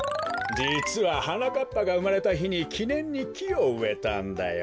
じつははなかっぱがうまれたひにきねんにきをうえたんだよ。